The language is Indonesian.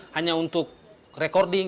hanya untuk recording